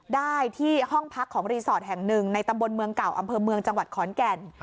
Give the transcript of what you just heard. ได้ที่ห้องพักของรีสอร์ทแห่งหนึ่งในตำบลเมืองเก่าอำเภอเมืองจังหวัดขอนแก่น